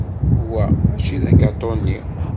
Wa mačči d agatu-nni.